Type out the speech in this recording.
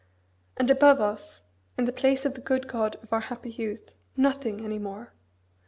And above us, in place of the good God of our happy youth, nothing, any more!